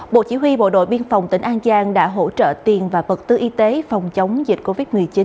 bộ chỉ huy bộ đội biên phòng tỉnh an giang đã hỗ trợ tiền và vật tư y tế phòng chống dịch covid một mươi chín